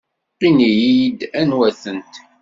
Ini-iyi-d anwa-tent.